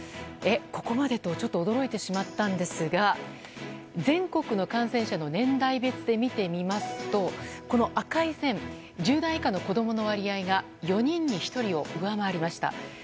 え、ここまで？とちょっと驚いてしまったんですが全国の感染者の年代別で見てみますと、赤い線１０代以下の子供の割合が４人に１人を上回りました。